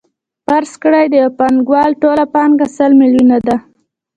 فرض کړئ د یو پانګوال ټوله پانګه سل میلیونه ده